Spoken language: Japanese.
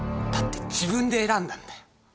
「だって自分で選んだんだよ」